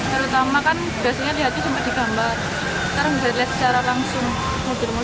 terutama kan biasanya lihatnya cuma di gambar